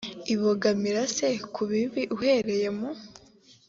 ibogamira c ku bibi uhereye mu